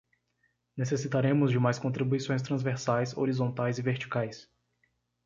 Necessitaremos de mais contribuições transversais, horizontais e verticais